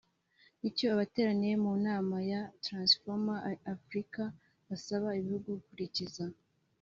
nicyo abateraniye mu nama ya Transform Afrika basaba ibihugu gukurikiza